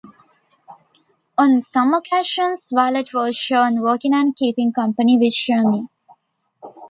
On some occasions, Violet was shown walking and keeping company with Shermy.